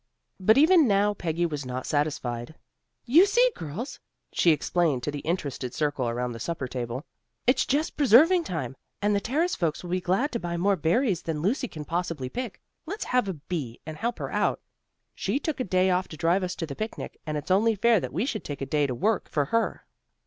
But even now Peggy was not satisfied. "You see, girls," she explained to the interested circle around the supper table, "it's just preserving time, and the Terrace folks will be glad to buy more berries than Lucy can possibly pick. Let's have a bee and help her out. She took a day off to drive us to the picnic, and it's only fair that we should take a day to work for her."